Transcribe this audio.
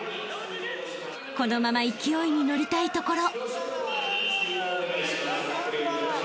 ［このまま勢いに乗りたいところ］